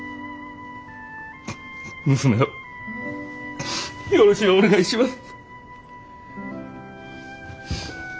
娘をよろしゅうお願いします。